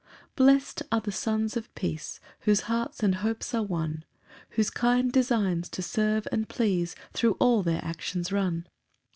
1 Blest are the sons of peace, Whose hearts and hopes are one, Whose kind designs to serve and please Thro' all their actions run.